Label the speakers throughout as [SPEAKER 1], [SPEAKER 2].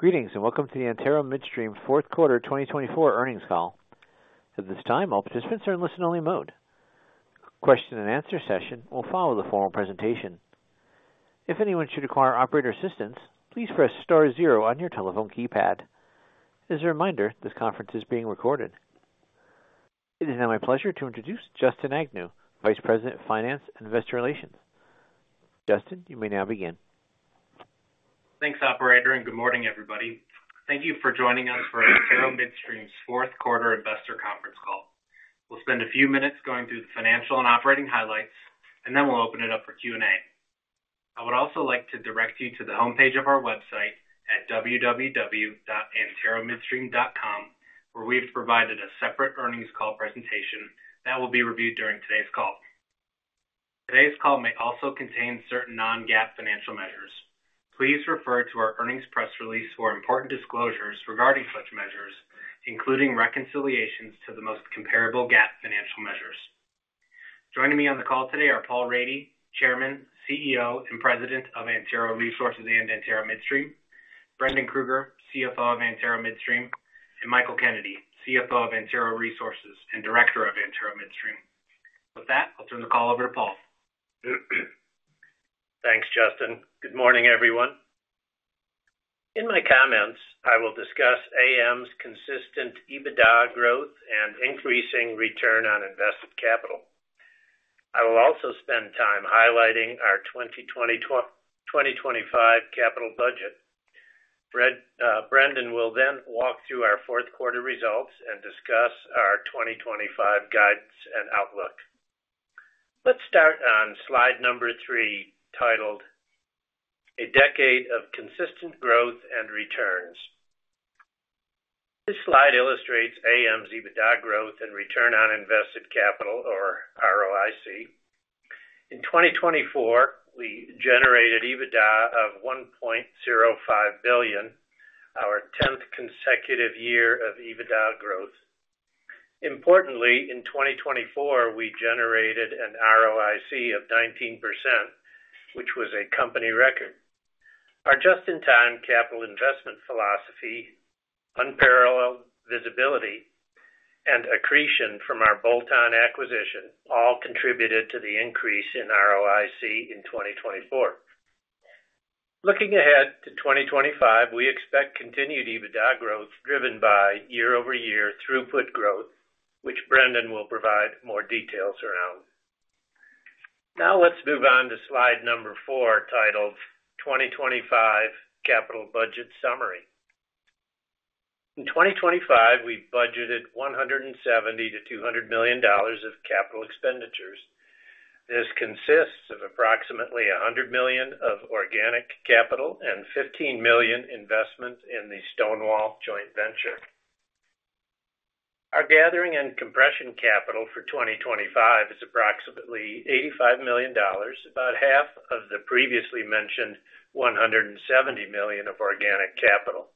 [SPEAKER 1] Greetings and welcome to the Antero Midstream fourth quarter 2024 earnings call. At this time, all participants are in listen-only mode. Question and answer session will follow the formal presentation. If anyone should require operator assistance, please press star zero on your telephone keypad. As a reminder, this conference is being recorded. It is now my pleasure to introduce Justin Agnew, Vice President of Finance and Investor Relations. Justin, you may now begin.
[SPEAKER 2] Thanks, Operator, and good morning, everybody. Thank you for joining us for Antero Midstream's fourth quarter investor conference call. We'll spend a few minutes going through the financial and operating highlights, and then we'll open it up for Q&A. I would also like to direct you to the homepage of our website at www.anteromidstream.com, where we've provided a separate earnings call presentation that will be reviewed during today's call. Today's call may also contain certain non-GAAP financial measures. Please refer to our earnings press release for important disclosures regarding such measures, including reconciliations to the most comparable GAAP financial measures. Joining me on the call today are Paul Rady, Chairman, CEO, and President of Antero Resources and Antero Midstream; Brendan Krueger, CFO of Antero Midstream; and Michael Kennedy, CFO of Antero Resources and Director of Antero Midstream. With that, I'll turn the call over to Paul.
[SPEAKER 3] Thanks, Justin. Good morning, everyone. In my comments, I will discuss AM's consistent EBITDA growth and increasing return on invested capital. I will also spend time highlighting our 2025 capital budget. Brendan will then walk through our fourth quarter results and discuss our 2025 guidance and outlook. Let's start on slide number three, titled "A Decade of Consistent Growth and Returns." This slide illustrates AM's EBITDA growth and Return on Invested Capital, or ROIC. In 2024, we generated EBITDA of $1.05 billion, our 10th consecutive year of EBITDA growth. Importantly, in 2024, we generated an ROIC of 19%, which was a company record. Our just-in-time capital investment philosophy, unparalleled visibility, and accretion from our bolt-on acquisition all contributed to the increase in ROIC in 2024. Looking ahead to 2025, we expect continued EBITDA growth driven by year-over-year throughput growth, which Brendan will provide more details around. Now, let's move on to slide number four, titled "2025 Capital Budget Summary." In 2025, we budgeted $170 million-$200 million of capital expenditures. This consists of approximately $100 million of organic capital and $15 million investment in the Stonewall joint venture. Our gathering and compression capital for 2025 is approximately $85 million, about half of the previously mentioned $170 million of organic capital.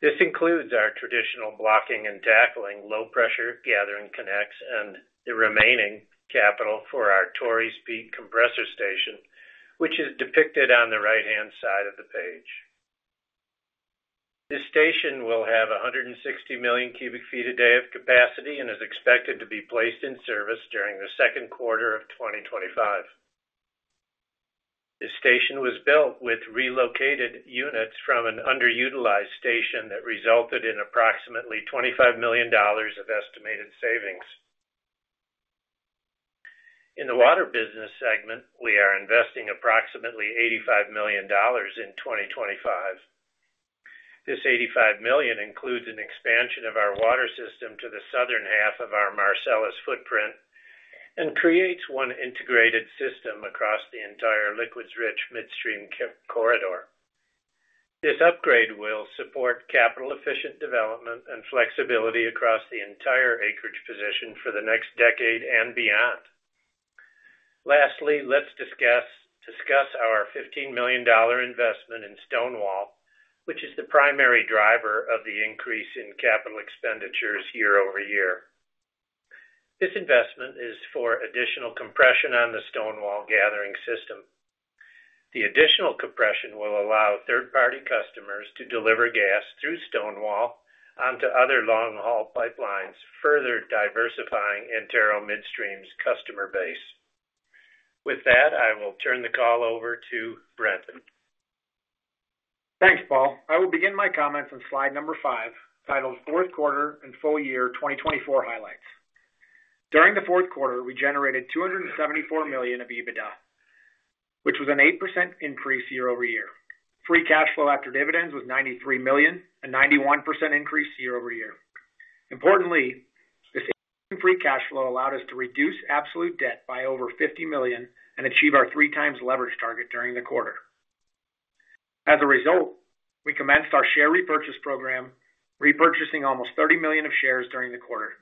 [SPEAKER 3] This includes our traditional blocking and tackling, low-pressure gathering connects, and the remaining capital for our Torreys Peak compressor station, which is depicted on the right-hand side of the page. This station will have 160 million cu ft a day of capacity and is expected to be placed in service during the second quarter of 2025. This station was built with relocated units from an underutilized station that resulted in approximately $25 million of estimated savings. In the water business segment, we are investing approximately $85 million in 2025. This $85 million includes an expansion of our water system to the southern half of our Marcellus footprint and creates one integrated system across the entire liquids-rich midstream corridor. This upgrade will support capital-efficient development and flexibility across the entire acreage position for the next decade and beyond. Lastly, let's discuss our $15 million investment in Stonewall, which is the primary driver of the increase in capital expenditures year-over-year. This investment is for additional compression on the Stonewall gathering system. The additional compression will allow third-party customers to deliver gas through Stonewall onto other long-haul pipelines, further diversifying Antero Midstream's customer base. With that, I will turn the call over to Brendan.
[SPEAKER 4] Thanks, Paul. I will begin my comments on slide number five, titled "Fourth Quarter and Full Year 2024 Highlights." During the fourth quarter, we generated $274 million of EBITDA, which was an 8% increase year-over-year. Free cash flow after dividends was $93 million, a 91% increase year-over-year. Importantly, this increase in free cash flow allowed us to reduce absolute debt by over $50 million and achieve our three-times leverage target during the quarter. As a result, we commenced our share repurchase program, repurchasing almost $30 million of shares during the quarter.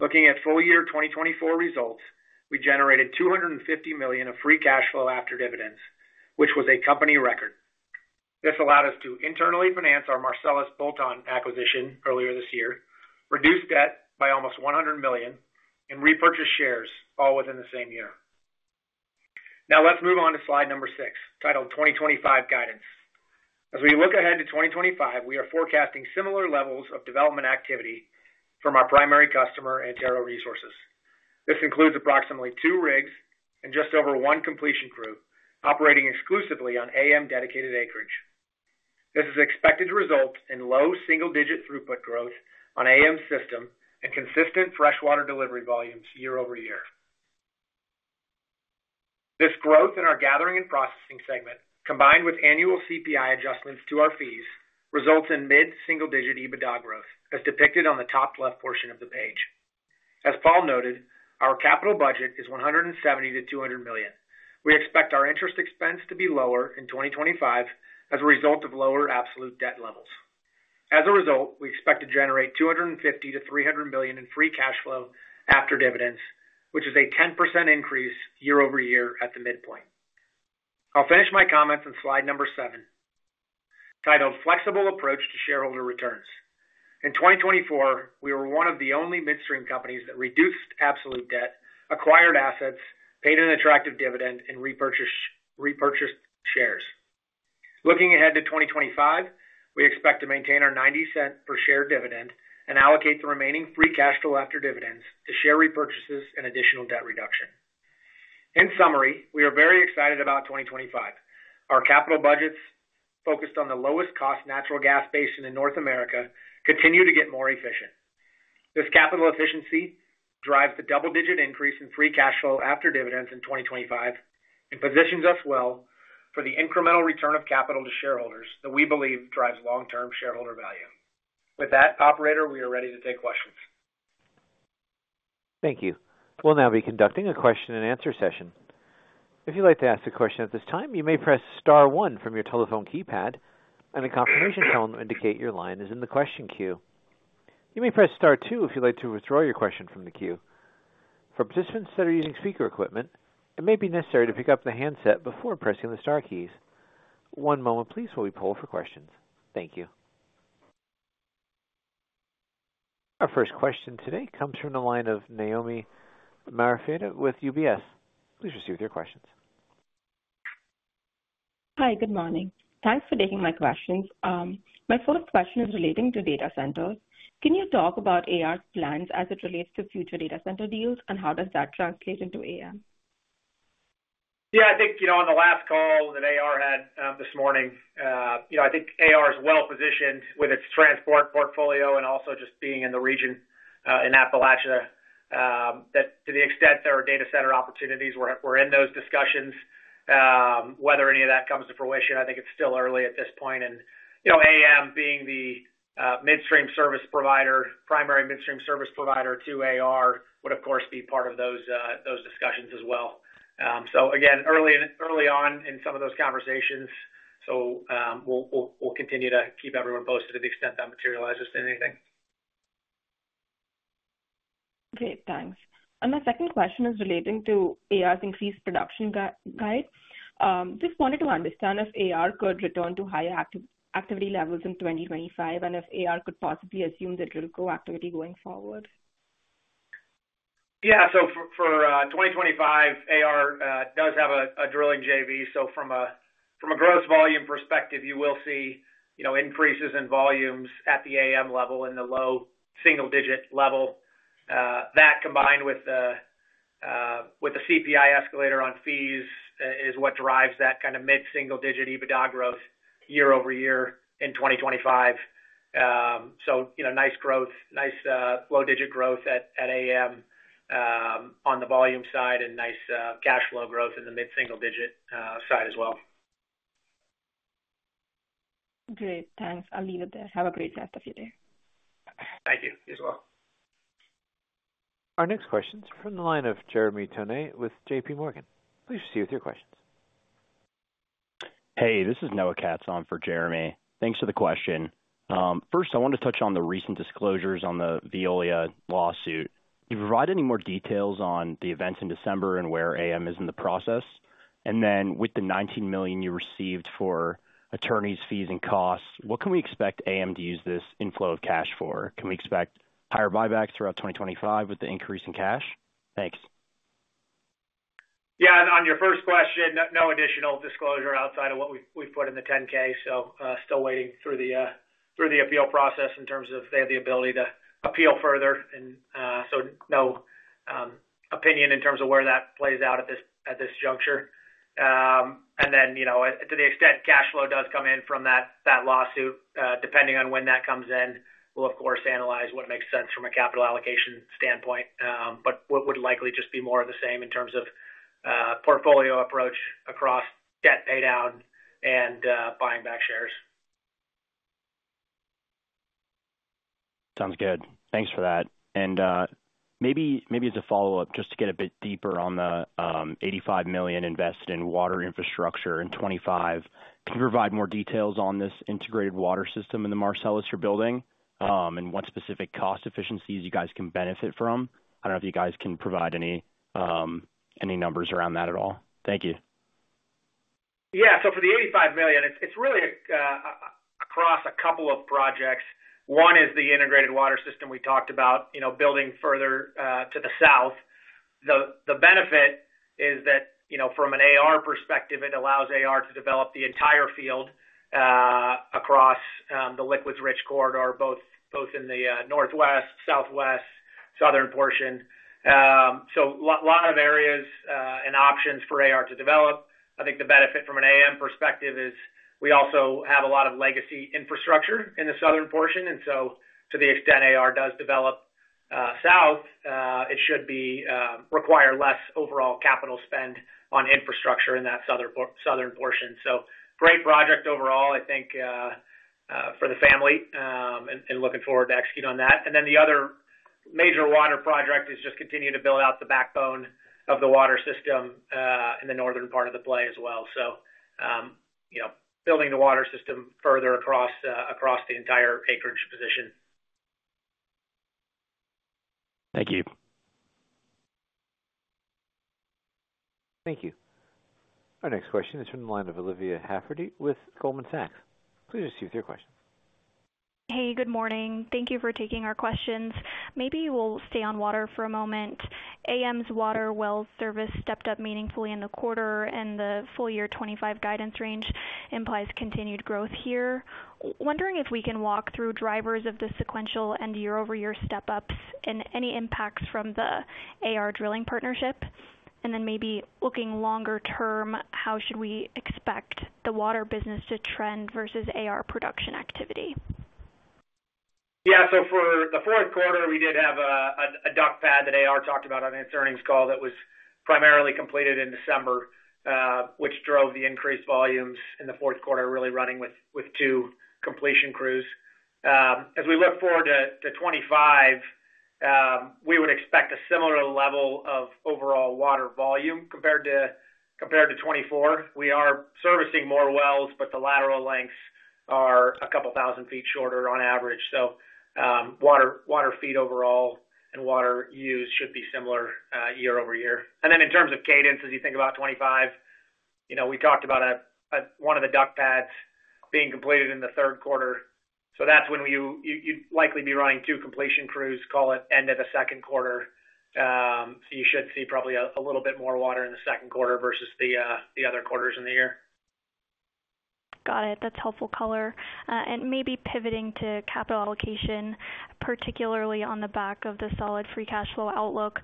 [SPEAKER 4] Looking at full year 2024 results, we generated $250 million of free cash flow after dividends, which was a company record. This allowed us to internally finance our Marcellus bolt-on acquisition earlier this year, reduce debt by almost $100 million, and repurchase shares all within the same year. Now, let's move on to slide number six, titled "2025 Guidance." As we look ahead to 2025, we are forecasting similar levels of development activity from our primary customer, Antero Resources. This includes approximately two rigs and just over one completion crew operating exclusively on AM dedicated acreage. This is expected to result in low single-digit throughput growth on AM system and consistent freshwater delivery volumes year-over-year. This growth in our gathering and processing segment, combined with annual CPI adjustments to our fees, results in mid-single-digit EBITDA growth, as depicted on the top left portion of the page. As Paul noted, our capital budget is $170 million-$200 million. We expect our interest expense to be lower in 2025 as a result of lower absolute debt levels. As a result, we expect to generate $250 million-$300 million in free cash flow after dividends, which is a 10% increase year-over-year at the midpoint. I'll finish my comments on slide number seven, titled "Flexible Approach to Shareholder Returns." In 2024, we were one of the only midstream companies that reduced absolute debt, acquired assets, paid an attractive dividend, and repurchased shares. Looking ahead to 2025, we expect to maintain our $0.90 per share dividend and allocate the remaining free cash flow after dividends to share repurchases and additional debt reduction. In summary, we are very excited about 2025. Our capital budgets, focused on the lowest-cost natural gas basin in North America, continue to get more efficient. This capital efficiency drives the double-digit increase in free cash flow after dividends in 2025 and positions us well for the incremental return of capital to shareholders that we believe drives long-term shareholder value. With that, Operator, we are ready to take questions.
[SPEAKER 1] Thank you. We'll now be conducting a question-and-answer session. If you'd like to ask a question at this time, you may press star one from your telephone keypad, and a confirmation tone will indicate your line is in the question queue. You may press star two if you'd like to withdraw your question from the queue. For participants that are using speaker equipment, it may be necessary to pick up the handset before pressing the star keys. One moment, please, while we pull for questions. Thank you. Our first question today comes from the line of Naomi Marfatia with UBS. Please proceed with your questions.
[SPEAKER 5] Hi, good morning. Thanks for taking my questions. My first question is relating to data centers. Can you talk about AR's plans as it relates to future data center deals, and how does that translate into AM?
[SPEAKER 4] Yeah, I think on the last call that AR had this morning, I think AR is well-positioned with its transport portfolio and also just being in the region in Appalachia that, to the extent there are data center opportunities, we're in those discussions. Whether any of that comes to fruition, I think it's still early at this point. And AM, being the primary midstream service provider to AR, would, of course, be part of those discussions as well. So again, early on in some of those conversations, so we'll continue to keep everyone posted to the extent that materializes in anything.
[SPEAKER 5] Okay, thanks. And my second question is relating to AR's increased production guide. Just wanted to understand if AR could return to higher activity levels in 2025 and if AR could possibly assume that it'll go activity going forward?
[SPEAKER 4] Yeah, so for 2025, AR does have a drilling JV, so from a gross volume perspective, you will see increases in volumes at the AM level in the low single-digit level. That, combined with the CPI escalator on fees, is what drives that kind of mid-single-digit EBITDA growth year-over-year in 2025. So nice low-digit growth at AM on the volume side and nice cash flow growth in the mid-single-digit side as well.
[SPEAKER 5] Okay, thanks. I'll leave it there. Have a great rest of your day.
[SPEAKER 4] Thank you. You as well.
[SPEAKER 1] Our next question is from the line of Jeremy Tonet with JPMorgan. Please proceed with your questions.
[SPEAKER 6] Hey, this is Noah Katz on for Jeremy. Thanks for the question. First, I wanted to touch on the recent disclosures on the Veolia lawsuit. Can you provide any more details on the events in December and where AM is in the process? And then, with the $19 million you received for attorney's fees and costs, what can we expect AM to use this inflow of cash for? Can we expect higher buybacks throughout 2025 with the increase in cash? Thanks.
[SPEAKER 4] Yeah, on your first question, no additional disclosure outside of what we've put in the 10-K, so still waiting through the appeal process in terms of they have the ability to appeal further. And so no opinion in terms of where that plays out at this juncture. And then, to the extent cash flow does come in from that lawsuit, depending on when that comes in, we'll, of course, analyze what makes sense from a capital allocation standpoint, but would likely just be more of the same in terms of portfolio approach across debt paydown and buying back shares.
[SPEAKER 6] Sounds good. Thanks for that. And maybe as a follow-up, just to get a bit deeper on the $85 million invested in water infrastructure in 2025, can you provide more details on this integrated water system in the Marcellus you're building and what specific cost efficiencies you guys can benefit from? I don't know if you guys can provide any numbers around that at all. Thank you.
[SPEAKER 4] Yeah, so for the $85 million, it's really across a couple of projects. One is the integrated water system we talked about, building further to the south. The benefit is that, from an AR perspective, it allows AR to develop the entire field across the liquids-rich corridor, both in the northwest, southwest, southern portion. So a lot of areas and options for AR to develop. I think the benefit from an AM perspective is we also have a lot of legacy infrastructure in the southern portion. And so, to the extent AR does develop south, it should require less overall capital spend on infrastructure in that southern portion. So great project overall, I think, for the family, and looking forward to executing on that. And then the other major water project is just continuing to build out the backbone of the water system in the northern part of the play as well. So building the water system further across the entire acreage position.
[SPEAKER 6] Thank you.
[SPEAKER 1] Thank you. Our next question is from the line of Olivia Halferty with Goldman Sachs. Please proceed with your questions.
[SPEAKER 7] Hey, good morning. Thank you for taking our questions. Maybe we'll stay on water for a moment. AM's water well service stepped up meaningfully in the quarter, and the full year 2025 guidance range implies continued growth here. Wondering if we can walk through drivers of the sequential and year-over-year step-ups and any impacts from the AR drilling partnership, and then maybe looking longer term, how should we expect the water business to trend versus AR production activity?
[SPEAKER 4] Yeah, so for the fourth quarter, we did have a DUC pad that AR talked about on its earnings call that was primarily completed in December, which drove the increased volumes in the fourth quarter, really running with two completion crews. As we look forward to 2025, we would expect a similar level of overall water volume compared to 2024. We are servicing more wells, but the lateral lengths are a couple thousand feet shorter on average. So water feed overall and water use should be similar year over year. And then in terms of cadence, as you think about 2025, we talked about one of the DUC pads being completed in the third quarter. So that's when you'd likely be running two completion crews, call it end of the second quarter. So you should see probably a little bit more water in the second quarter versus the other quarters in the year.
[SPEAKER 7] Got it. That's helpful color. And maybe pivoting to capital allocation, particularly on the back of the solid free cash flow outlook,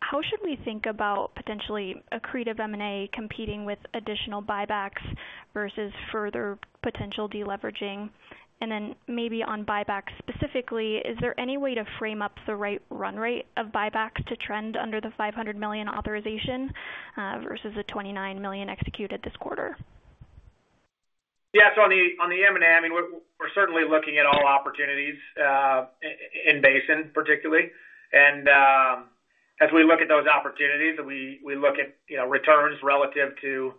[SPEAKER 7] how should we think about potentially accretive M&A competing with additional buybacks versus further potential deleveraging? And then maybe on buybacks specifically, is there any way to frame up the right run rate of buybacks to trend under the $500 million authorization versus the $29 million executed this quarter?
[SPEAKER 4] Yeah, so on the M&A, I mean, we're certainly looking at all opportunities in basin, particularly. And as we look at those opportunities, we look at returns relative to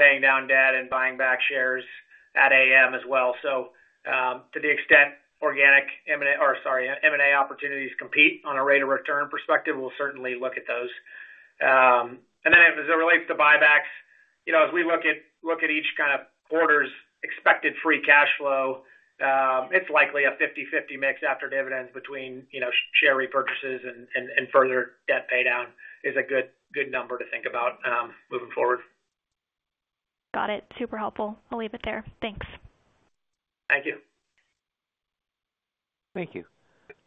[SPEAKER 4] paying down debt and buying back shares at AM as well. So to the extent organic M&A opportunities compete on a rate of return perspective, we'll certainly look at those. And then as it relates to buybacks, as we look at each kind of quarter's expected free cash flow, it's likely a 50/50 mix after dividends between share repurchases and further debt pay down is a good number to think about moving forward.
[SPEAKER 7] Got it. Super helpful. I'll leave it there. Thanks.
[SPEAKER 4] Thank you.
[SPEAKER 1] Thank you.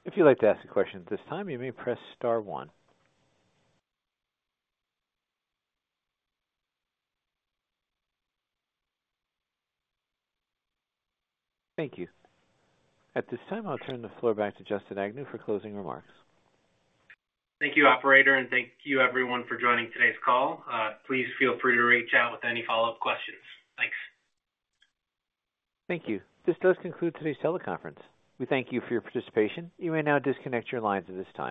[SPEAKER 1] If you'd like to ask a question at this time, you may press star one. Thank you. At this time, I'll turn the floor back to Justin Agnew for closing remarks.
[SPEAKER 2] Thank you, Operator, and thank you, everyone, for joining today's call. Please feel free to reach out with any follow-up questions. Thanks.
[SPEAKER 1] Thank you. This does conclude today's teleconference. We thank you for your participation. You may now disconnect your lines at this time.